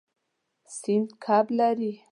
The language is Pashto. سیند کب لري.